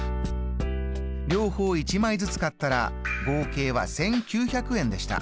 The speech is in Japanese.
両方一枚ずつ買ったら合計は１９００円でした。